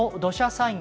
災害